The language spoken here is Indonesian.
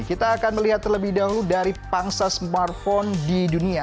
kita akan melihat terlebih dahulu dari pangsa smartphone di dunia